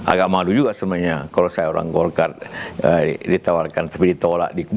agak malu juga sebenarnya kalau saya orang golkar ditawarkan tapi ditolak